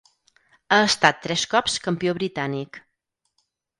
Ha estat tres cops Campió britànic.